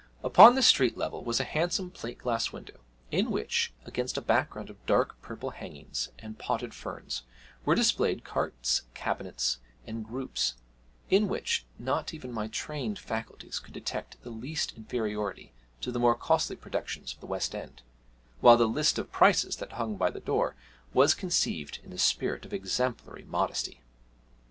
Upon the street level was a handsome plate glass window, in which, against a background of dark purple hangings and potted ferns, were displayed cartes, cabinets, and groups, in which not even my trained faculties could detect the least inferiority to the more costly productions of the West end, while the list of prices that hung by the door was conceived in a spirit of exemplary modesty.